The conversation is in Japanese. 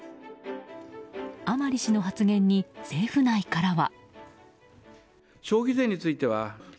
甘利氏の発言に政府内からは。